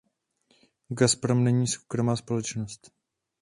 Gazprom není soukromá společnost.